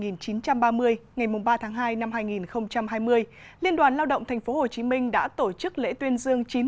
ngày ba tháng hai năm hai nghìn hai mươi liên đoàn lao động tp hcm đã tổ chức lễ tuyên dương